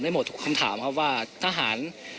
หมดทุกคำถามครับว่าทหาร